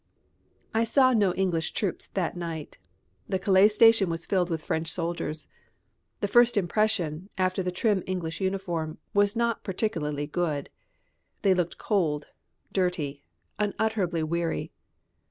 I saw no English troops that night. The Calais station was filled with French soldiers. The first impression, after the trim English uniform, was not particularly good. They looked cold, dirty, unutterably weary.